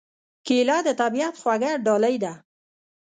کېله د طبیعت خوږه ډالۍ ده.